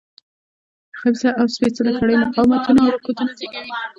خبیثه او سپېڅلې کړۍ مقاومتونه او رکودونه زېږوي.